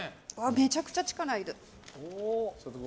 めちゃくちゃ力いる。